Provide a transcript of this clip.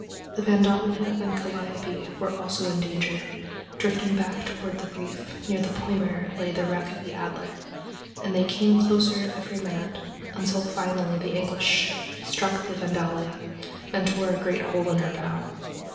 The Vandalia and Calliope were also in danger, drifting back toward the reef near the point where lay the wreck of the Adler; and they came closer together every minute, until finally the English ship struck the Vandalia and tore a great hole in her bow.